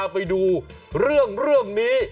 ไปดูเรื่องนี้